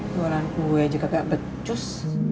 jualan kue juga kagak becus